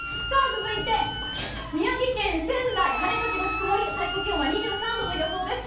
続いて、宮城県仙台。晴れ時々曇り最高気温は２３度の予想です。